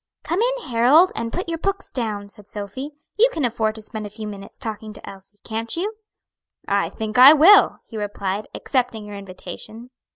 "Come in Harold, and put your books down," said Sophy; "you can afford to spend a few minutes talking to Elsie, can't you?" "I think I will!" he replied, accepting her invitation.